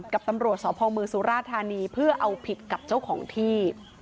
กับตำรวจสพมสุราธานีเพื่อเอาผิดกับเจ้าของที่